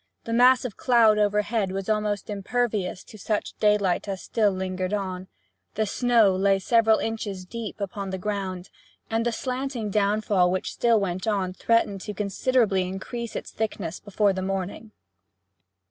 The mass of cloud overhead was almost impervious to such daylight as still lingered on; the snow lay several inches deep upon the ground, and the slanting downfall which still went on threatened to considerably increase its thickness before the morning.